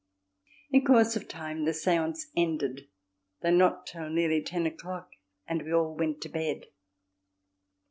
In course of time the séance ended, though not till nearly ten o'clock, and we all went to bed.